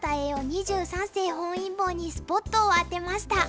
二十三世本因坊にスポットを当てました。